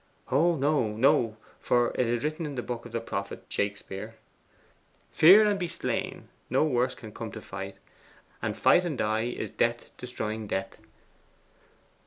Oh no, no! For it is written in the book of the prophet Shakespeare "Fear and be slain? no worse can come to fight; And fight and die, is death destroying death!"